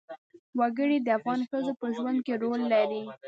وګړي د افغان ښځو په ژوند کې رول لري.